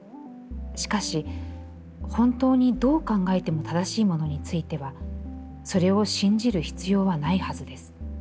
しかし、本当にどう考えても正しいものについては、それを信じる必要はないはずです。